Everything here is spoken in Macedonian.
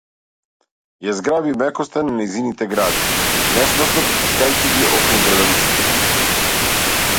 Ја зграби мекоста на нејзините гради, несмасно пристискајќи ги околу брадавиците.